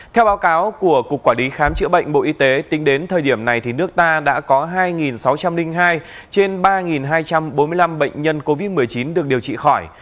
theo báo cáo của cục quản lý khám chữa bệnh bộ y tế tính đến thời điểm này nước ta đã có hai sáu trăm linh hai trên ba hai trăm bốn mươi năm bệnh nhân covid một mươi chín được điều trị khỏi